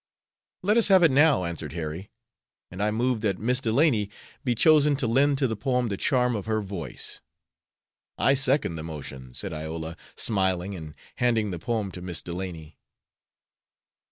"Let us have it now," answered Harry, "and I move that Miss Delany be chosen to lend to the poem the charm of her voice." "I second the motion," said Iola, smiling, and handing the poem to Miss Delany.